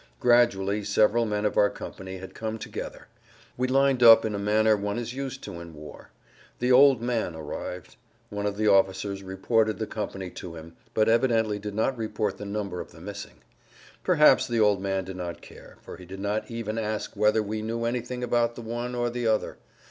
Gradually several men of our company had come together. We lined up in a manner one is used to in war. The "old man" arrived. One of the officers reported the company to him, but evidently did not report the number of the missing. Perhaps the old man did not care, for he did not even ask whether we knew anything about the one or the other.